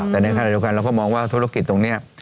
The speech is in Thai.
แต่ในขณะเดียวกันเราก็มองว่าธุรกิจตรงนี้